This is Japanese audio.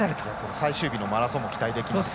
最終日のマラソンも期待できます。